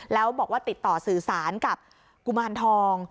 แล้วบอกว่าติดต่อสื่อสารกับกุมารทอง